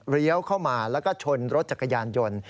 เข้ามาแล้วก็ชนรถจักรยานยนต์